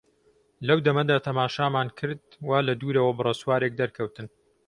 لەو دەمەدا تەماشامان کرد وا لە دوورەوە بڕە سوارێک دەرکەوتن.